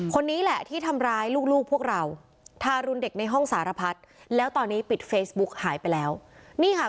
คือขุดกันเลยนะ